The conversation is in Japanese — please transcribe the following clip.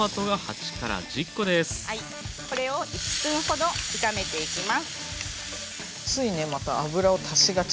これを１分ほど炒めていきます。